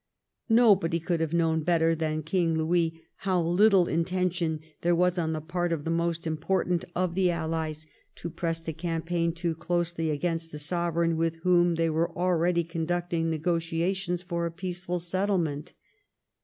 Nobody could have known better than King Louis how little intention there was on the part of the most important of the Allies to press the campaign too closely against the Sovereign with whom they were already conducting negotiations for a peaceful settlement.